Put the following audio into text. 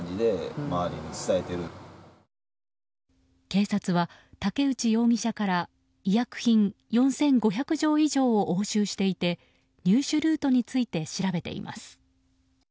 警察は竹内容疑者から医薬品４５００錠以上を押収していて入手ルートについて調べています。